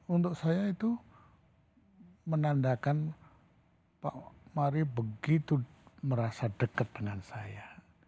untuk saya itu menandakan pak mari begitu merasa dekat dengan saya